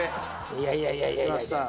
いやいやいやいや。